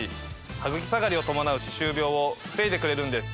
ハグキ下がりを伴う歯周病を防いでくれるんです。